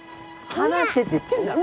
離せって言ってんだろ。